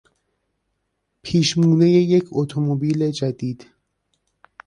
پیشمونهی یک اتومبیل جدید